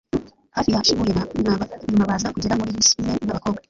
hafi ya chibuye na mwaba nyuma baza kugera muri bisi imwe nabakobwa